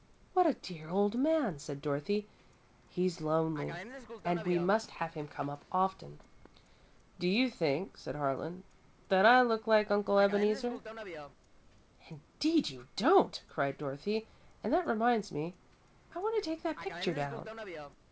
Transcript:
"What a dear old man!" said Dorothy. "He's lonely and we must have him come up often." "Do you think," asked Harlan, "that I look like Uncle Ebeneezer?" "Indeed you don't!" cried Dorothy, "and that reminds me. I want to take that picture down."